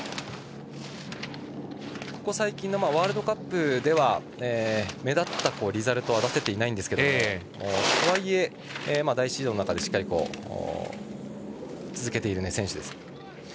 ここ最近のワールドカップでは目立ったリザルトは出せていないんですけどとはいえ第１シードの中でしっかり出続けている選手です。